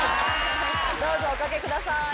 どうぞお掛けください。